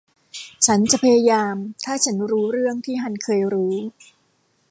ฉันจะพยายามถ้าฉันรู้เรื่องที่ฮันเคยรู้